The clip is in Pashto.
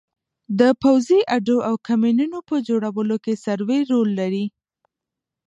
د پوځي اډو او کمینونو په جوړولو کې سروې رول لري